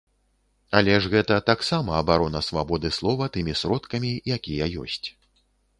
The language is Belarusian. Але ж гэта таксама абарона свабоды слова тымі сродкамі, якія ёсць.